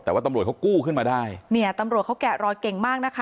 แต่ว่าตำรวจเขากู้ขึ้นมาได้เนี่ยตำรวจเขาแกะรอยเก่งมากนะคะ